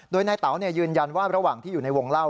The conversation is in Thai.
โดยนายเต๋ายืนยันว่าระหว่างที่อยู่ในวงเล่า